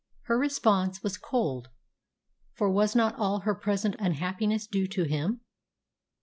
Her response was cold, for was not all her present unhappiness due to him?